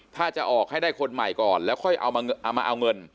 ถ้าจะออกให้ได้คนใหม่ก่อนแล้วค่อยเอามาเอาเงิน